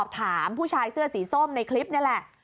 ก็ไปสอบถามผู้ชายเสื้อสีส้มในคลิปนะแหละ